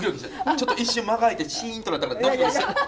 ちょっと一瞬間が空いてシーンとなったからドキドキした。